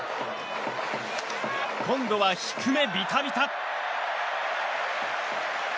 今度は低めビタビタ。